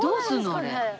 あれ。